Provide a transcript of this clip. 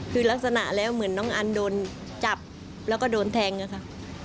คือลักษณะแล้วเหมือนน้องอันโดนจับแล้วก็โดนแทงอะค่ะ